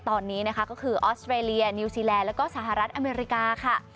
ตอนนี้นะคะก็คือออสเตรเลียนิวซีแลนดแล้วก็สหรัฐอเมริกาค่ะ